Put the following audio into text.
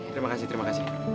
terima kasih terima kasih